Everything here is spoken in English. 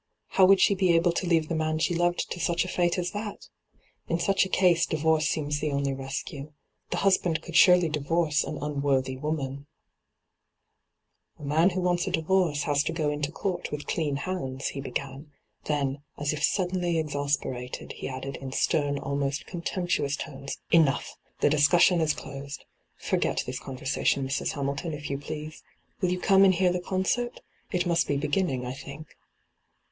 How would she be able to leave the man she loved to such a fate as that ? In such a case divorce seems the only rescue. The husband could surely divorce an unworthy woman.' hyGoogIc 2o8 ENTRAPPED ' A man who wants a divorce has to go into court with clean hands,' he began ; l^en, as if suddenly exasperated, he added, in stem, ahnost contemptuous tones :' Enough t The discussion is closed. Fo^et this conversation, Mrs. Hamilton, if you please. Will you come and hear the concert ? It must be beginning, I think.'